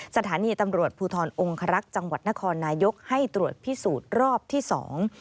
สถานีตำรวจภูทรองครักษ์จังหวัดนครนายกให้ตรวจพิสูจน์รอบที่สอง